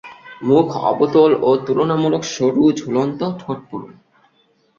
মুখ অবতল ও তুলনামূলক সরু, ঝুলন্ত, ঠোঁট পুরু।